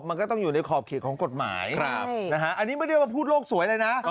มันก็ต้องอยู่ในขอบเขตของกฎหมายอันนี้ไม่ได้มาพูดโลกสวยเลยนะ